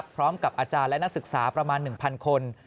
พร้อมกับอาจารย์และนักศึกษาประมาณ๑๐๐คน